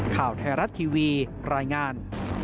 ข่าวไทยรัฐทีวีรายงาน